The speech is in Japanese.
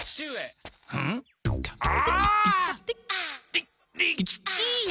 り利吉！？